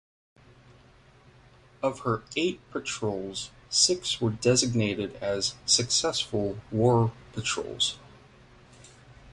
Of her eight patrols, six were designated as "Successful War Patrols".